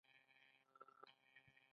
خو سیاست خنډونه جوړوي.